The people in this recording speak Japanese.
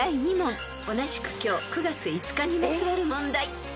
［同じく今日９月５日にまつわる問題］